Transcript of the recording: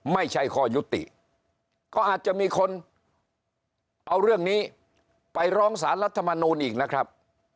ไม่ใช่ข้อยุติก็อาจจะมีคนเอาเรื่องนี้ไปร้องสารรัฐมนูลอีกนะครับ